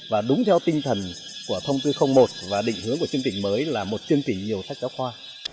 và đúng theo tinh thần của thông tư một và định hướng của chương trình mới là một chương trình nhiều sách giáo khoa